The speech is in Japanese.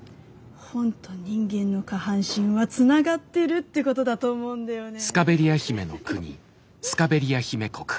本と人間の下半身はつながってるってことだと思うんだよねフフフ。